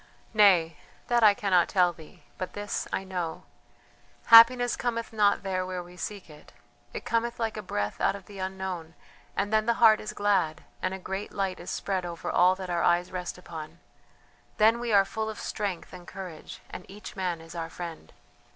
"Nay! that I cannot tell thee, but this I know: Happiness cometh not there where we seek it; it cometh like a breath out of the unknown, and then the heart is glad and a great light is spread over all that our eyes rest upon. Then we are full of strength and courage, and each man is our friend.